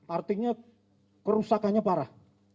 artinya kerusakannya parah